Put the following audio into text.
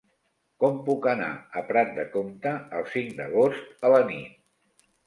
Com puc anar a Prat de Comte el cinc d'agost a la nit?